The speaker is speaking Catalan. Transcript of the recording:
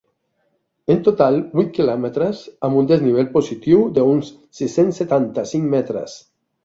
En total, vuit quilòmetres amb un desnivell positiu d’uns sis-cents setanta-cinc metres.